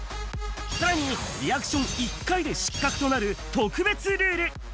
さらにリアクション１回で失格となる、特別ルール。